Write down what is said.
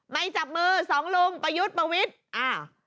ไม่จับมือสองลุงประยุทธ์ประวิทย์อ่า